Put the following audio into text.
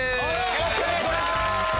よろしくお願いします。